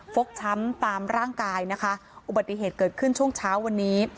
กช้ำตามร่างกายนะคะอุบัติเหตุเกิดขึ้นช่วงเช้าวันนี้